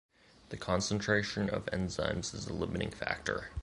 The concentration of enzymes is a limiting factor.